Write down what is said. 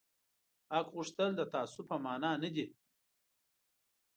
حق غوښتل د تعصب په مانا نه دي